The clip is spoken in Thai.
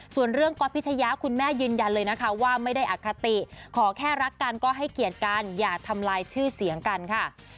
ส่วนเรื่องก๊อตพิชยะคุณแม่ยืนยันเลยนะคะว่าไม่ได้อคติขอแค่รักกันก็ให้เกียรติกันอย่าทำลายชื่อเสียงกันค่ะ